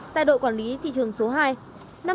tại đội quản lý thị trường số hai